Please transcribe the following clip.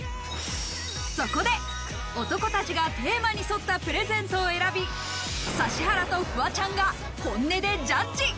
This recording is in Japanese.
そこで、男たちがテーマに沿ったプレゼントを選び、指原とフワちゃんが本音でジャッジ。